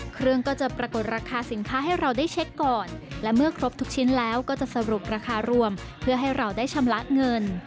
เครื่องก็จะปรากฏราคาสินค้าให้เราได้เช็คก่อนและเมื่อครบทุกชิ้นแล้วก็จะสรุปราคารวมเพื่อให้เราได้ชำระเงิน